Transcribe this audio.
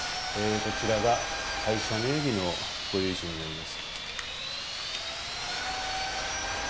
こちらが白石様へのご融資分になります。